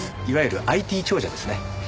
いわゆるＩＴ長者ですね。